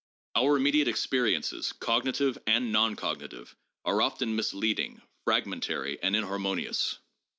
Our immediate experiences, cognitive and non cognitive, are often mis leading, fragmentary and inharmonious.